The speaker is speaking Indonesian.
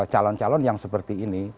calon calon yang seperti ini